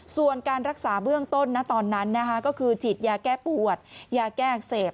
ส่วนการรักษาเบื้องต้นตอนนั้นก็คือฉีดยาแก้ปวดยาแก้อักเสบ